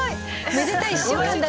めでたい１週間だね。